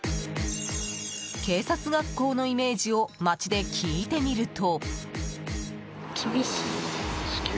警察学校のイメージを街で聞いてみると。